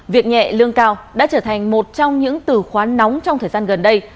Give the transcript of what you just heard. việc nhẹ lương cao đã trở thành một trong những từ khoán nóng trong thời gian gần đây